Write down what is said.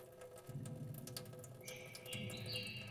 地下车站设有高天花及夹层连接月台。